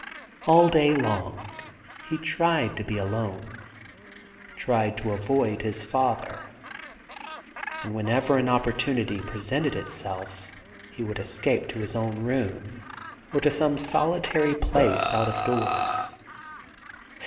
All day long he tried to be alone, tried to avoid his father ; and whenever an opportunity presented itself he would escape to his own room or to some solitary place out of doors.